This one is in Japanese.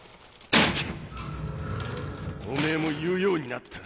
おめぇも言うようになったな。